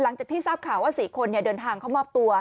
หลังจากที่ทราบข่าวว่า๔คนเดินทางเข้ามอบตัว